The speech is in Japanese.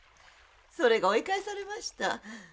それが追い返されました。